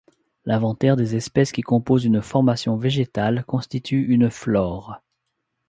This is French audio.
L'inventaire des espèces qui composent une formation végétale constitue une flore.